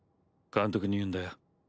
監督に言うんだよ。